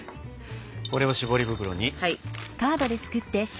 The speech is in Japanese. これを絞り袋に。